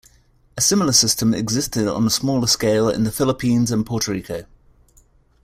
A similar system existed on a smaller scale in the Philippines and Puerto Rico.